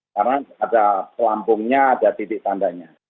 karena ada pelampungnya ada titik tandanya